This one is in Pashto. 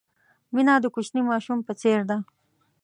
مینه د کوچني ماشوم په څېر ده.